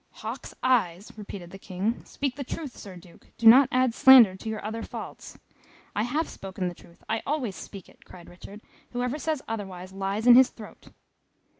"Hawk's eyes!" repeated the King. "Speak the truth, Sir Duke; do not add slander to your other faults." [Picture: False accusation] "I have spoken the truth I always speak it!" cried Richard. "Whoever says otherwise lies in his throat."